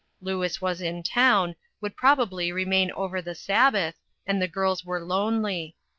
Louis was in town, would probably remain over the Sabbath, and the girls were lonely.